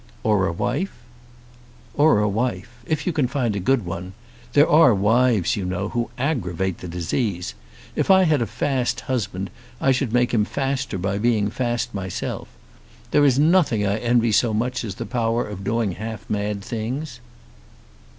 "Or a wife?" "Or a wife, if you can find a good one. There are wives, you know, who aggravate the disease. If I had a fast husband I should make him faster by being fast myself. There is nothing I envy so much as the power of doing half mad things."